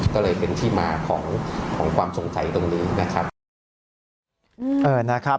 ก็เลยเป็นที่มาของความสงสัยตรงนี้นะครับ